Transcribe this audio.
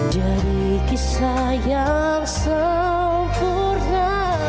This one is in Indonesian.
jadi kisah yang sempurna